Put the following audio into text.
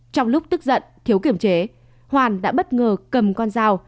trong lúc tức giận thiếu kiểm chế hoàn đã bất ngờ cầm con dao